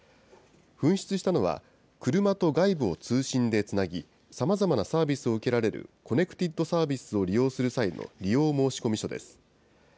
紛失したのは、車と外部を通信でつなぎ、さまざまなサービスを受けられるコネクティッドサービスを利用する際の利用申込書です。